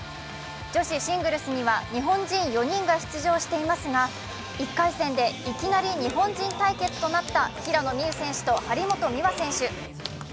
女子シングルスには日本人４人が出場していますが、１回戦で、いきなり日本人対決となった平野美宇選手と張本美和選手。